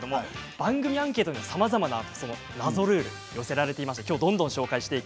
番組のアンケートで、さまざまな謎ルールが寄せられました。